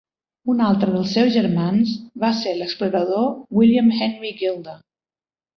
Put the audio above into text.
Un altre dels seus germans va ser l'explorador William Henry Gilder.